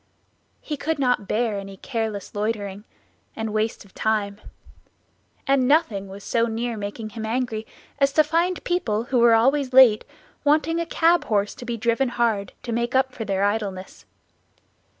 He could not bear any careless loitering and waste of time; and nothing was so near making him angry as to find people, who were always late, wanting a cab horse to be driven hard, to make up for their idleness.